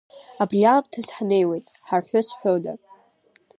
Абри аамҭаз ҳнеиуеит, ҳарҳәы зҳәода?